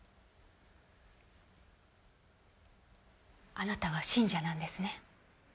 あなたは信者なんですね？